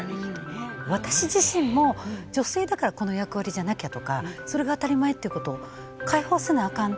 私自身も女性だからこの役割じゃなきゃとかそれが当たり前っていうことを解放せなあかん